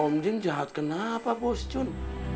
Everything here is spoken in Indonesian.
om jin jahat kenapa bos jun